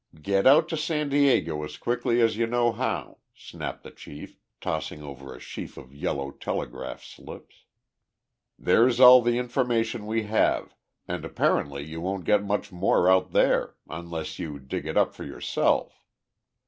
"Get out to San Diego as quickly as you know how," snapped the chief, tossing over a sheaf of yellow telegraph slips. "There's all the information we have, and apparently you won't get much more out there unless you dig it up for yourself.